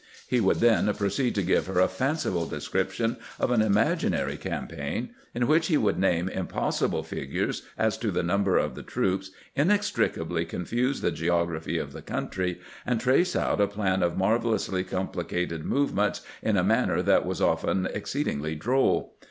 He would then pro ceed to give her a fanciful description of an imaginary campaign, in which he would name impossible figures as to the number of the troops, inextricably confuse the geography of the country, and trace out a plan of mar velously complicated movements in a manner that was often exceedingly droll.